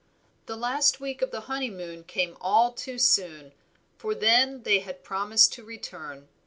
The last week of the honeymoon came all too soon, for then they had promised to return.